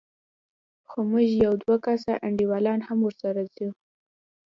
خو زموږ يو دوه کسه انډيوالان هم ورسره ځي.